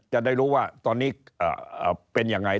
จะได้รู้ว่าตอนนี้เป็นยังไง